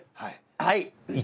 はい。